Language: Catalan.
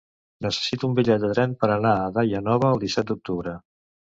Necessito un bitllet de tren per anar a Daia Nova el disset d'octubre.